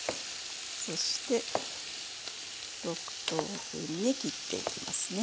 そして６等分に切っていきますね。